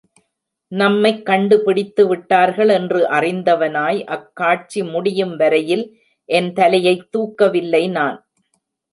நம்மைக் கண்டுபிடித்துவிட்டார்கள் என்று அறிந்தவனாய் அக்காட்சி முடியும் வரையில் என் தலையைத் தூக்கவில்லை நான்!